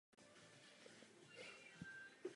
Místo toho se druhý den stala manželkou boha vína Dionýsa.